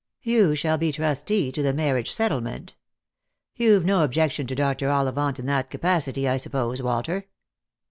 You shall be trustee to the marriage set tlement. You've no objection to Dr. Ollivant in that capacity, I suppose, Walter